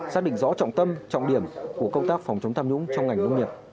xác định rõ trọng tâm trọng điểm của công tác phòng chống tham nhũng trong ngành nông nghiệp